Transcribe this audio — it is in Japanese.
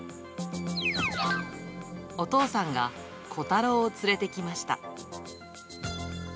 お父さんがコタローを連れてきました。